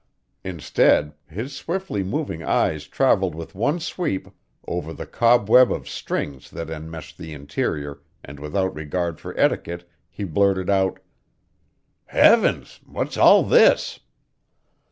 Instead his swiftly moving eyes traveled with one sweep over the cobweb of strings that enmeshed the interior and without regard for etiquette he blurted out: "Heavens! What's all this?"